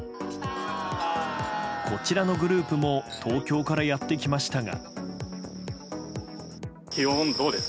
こちらのグループも東京からやってきましたが。